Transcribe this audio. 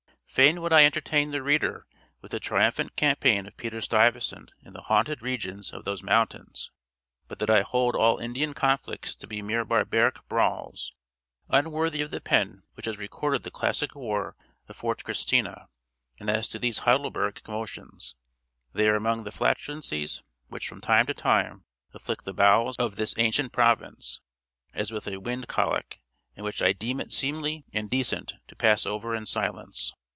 Fain would I entertain the reader with the triumphant campaign of Peter Stuyvesant in the haunted regions of those mountains, but that I hold all Indian conflicts to be mere barbaric brawls, unworthy of the pen which has recorded the classic war of Fort Christina; and as to these Helderberg commotions, they are among the flatulencies which from time to time afflict the bowels of this ancient province, as with a wind colic, and which I deem it seemly and decent to pass over in silence.